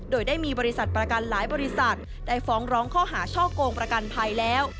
โดยได้มีบริษัทประกันหลายบริษัทได้ฟ้องร้องข้อหาช่อกงประกันภัยแล้ว